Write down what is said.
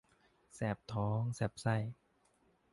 แสบท้องแสบไส้